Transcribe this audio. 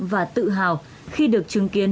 và tự hào khi được chứng kiến